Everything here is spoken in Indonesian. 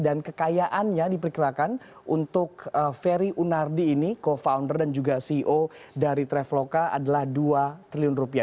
dan kekayaannya diperkirakan untuk ferry unardi ini co founder dan juga ceo dari traveloka adalah dua triliun rupiah